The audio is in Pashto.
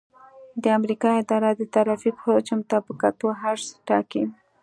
د امریکا اداره د ترافیک حجم ته په کتو عرض ټاکي